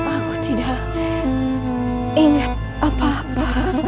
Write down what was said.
aku tidak ingat apa apa